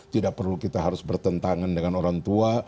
tidak perlu kita harus bertentangan dengan orang tua